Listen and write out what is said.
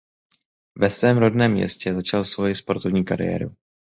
Ve svém rodném městě začal svoji sportovní kariéru.